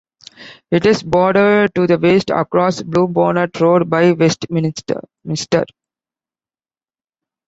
It is bordered to the west, across Bluebonnet Road, by Westminster.